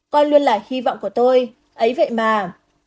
con luôn là hy vọng của tôi ấy vậy mà